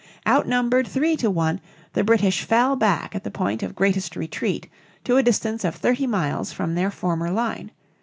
Outnumbered three to one, the British fell back at the point of greatest retreat to a distance of thirty miles from their former line.